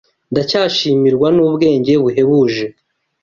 Ndacyashimirwa n'ubwenge buhebuje